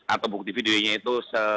atau bukti videonya itu